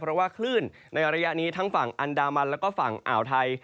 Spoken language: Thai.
เพราะว่าคลื่นในระยะนี้ทั้งฝั่งอันดามันแล้วก็ฝั่งอ่าวไทย